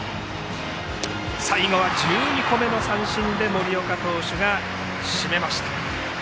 最後は１２個目の三振で森岡投手が締めました。